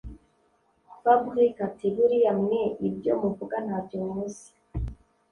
fabric ati”buriya mwe ibyo muvuga ntabyo muzi